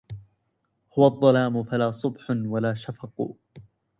هو الظلام فلا صبح ولا شفق